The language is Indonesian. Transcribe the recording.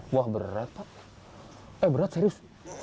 wah berat pak eh berat serius